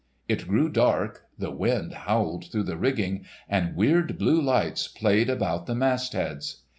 It grew dark, the wind howled through the rigging, and weird blue lights played about the mastheads.